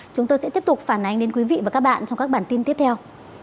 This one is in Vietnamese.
chúng tôi sẽ tiếp tục phản ánh đến quý vị và các bạn trong các bản tin tiếp theo